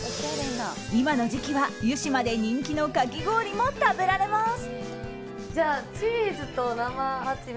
今の時期は湯島で人気のかき氷も食べられます。